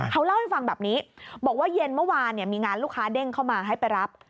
เขาเล่าให้ฟังแบบนี้บอกว่าเย็นเมื่อวานมีงานลูกค้าเด้งเข้ามาให้ไปรับ